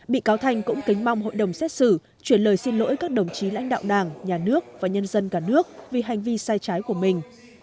bị cáo thanh cũng kính mong hội đồng xét xử chuyển lời xin lỗi các đồng chí lãnh đạo đảng nhà nước và nhân dân cả nước vì hành vi sai trái của mình